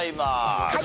はい。